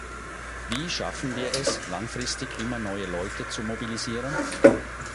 Wie schaffen wir es, langfristig immer neue Leute zu mobilisieren?